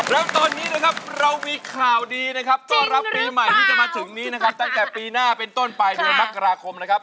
แล้วตอนนี้นะครับเรามีข่าวดีนะครับต้อนรับปีใหม่ที่จะมาถึงนี้นะครับตั้งแต่ปีหน้าเป็นต้นไปเดือนมกราคมนะครับ